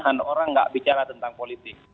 kan orang nggak bicara tentang politik